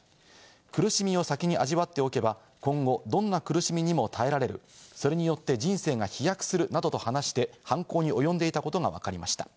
苦しみを先に味わっておけば、今後、どんな苦しみにも耐えられる、それによって人生が飛躍するなどと話して犯行に及んでいたことがわかりました。